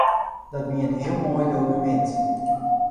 Dat wie in heel moai dokumint.